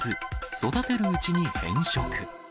育てるうちに変色。